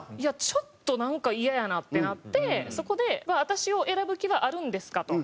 ちょっとなんかイヤやなってなってそこで「私を選ぶ気はあるんですか？」と。